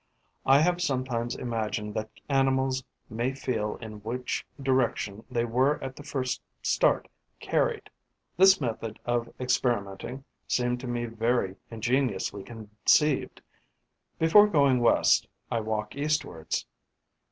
I have sometimes imagined that animals may feel in which direction they were at the first start carried.' This method of experimenting seemed to me very ingeniously conceived. Before going west, I walk eastwards.